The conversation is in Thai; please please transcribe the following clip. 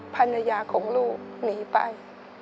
ภรรยาของลูกหนีไป